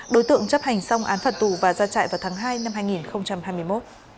đối tượng chấp hành xong án phạt tù và ra chạy vào tháng hai năm hai nghìn hai mươi một